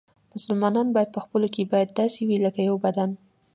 مسلمانان باید په خپلو کې باید داسې وي لکه یو بدن.